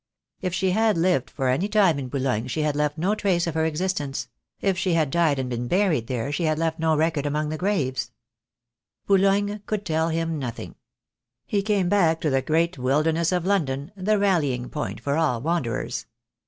If she had lived for any time in Boulogne she had left no trace of her exist THE DAY WILL COME. 24 I ence; if she had died and been buried there she had left no record among the graves. Boulogne could tell him nothing. He came back to the great wilderness of London, the rallying point for all wanderers.